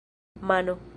mano